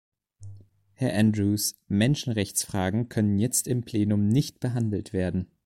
Herr Andrews, Menschenrechtsfragen können jetzt im Plenum nicht behandelt werden.